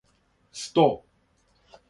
сто